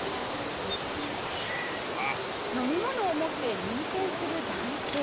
飲み物を持って入店する男性。